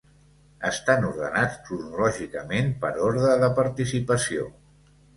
Estan ordenats cronològicament per ordre de participació.